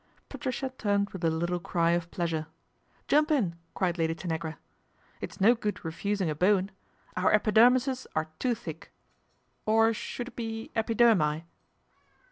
Patricia turned with a little cry of pleasure. ' Jump in," cried Lady Tanagra. " It's no ood refusing a Bowen. Our epidermises are too hick, or should it be epidermi